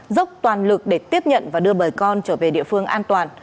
dốc toàn lực để tiếp nhận và đưa bà con trở về địa phương an toàn